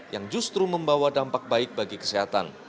yang justru membawa dampak baik bagi kesehatan